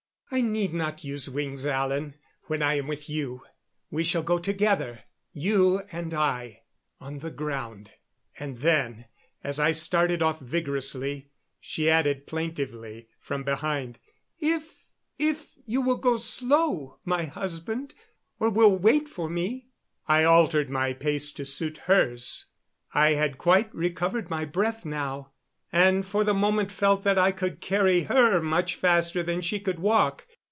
"I need not use wings, Alan, when I am with you. We shall go together, you and I on the ground." And then, as I started off vigorously, she added plaintively from behind me: "If if you will go slow, my husband, or will wait for me." I altered my pace to suit hers. I had quite recovered my breath now, and for the moment felt that I could carry her much faster than she could walk.